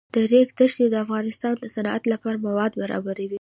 د ریګ دښتې د افغانستان د صنعت لپاره مواد برابروي.